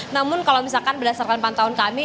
namun kalau misalkan berdasarkan pantauan kami